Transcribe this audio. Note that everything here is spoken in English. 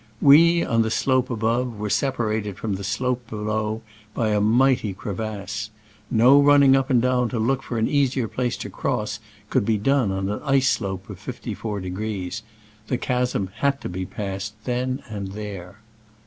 We, on the slope above, were separated from the slope below by a mighty crevasse. No running up and down to look for an easier place to cross could be done on an ice slope of 54° : the chasm had to be passed then and there.